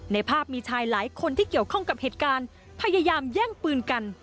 ในภาพมีชายหลายคนที่เกี่ยวข้องกับเหตุการณ์พยายามแย่งปืนกัน